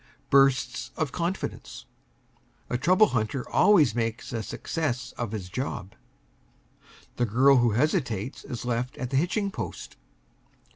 BURSTS OF CONFIDENCE. A trouble hunter always makes a success of his job. The girl who hesitates is left at the hitching post.